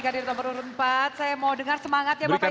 gadir nomor urut empat saya mau dengar semangatnya bapak ibu